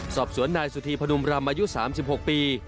สอบสวนนายสุธีพนุมรำอายุ๓๖ปี